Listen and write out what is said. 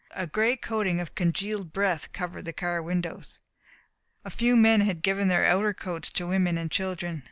A gray coating of congealed breath covered the car windows. A few men had given their outer coats to women and children.